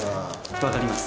分かります。